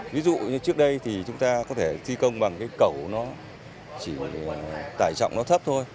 ví dụ như trước đây thì chúng ta có thể thi công bằng cái cẩu nó chỉ tải trọng nó thấp thôi